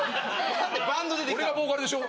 俺がボーカルでしょ？